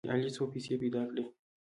علي څو پیسې پیدا کړې.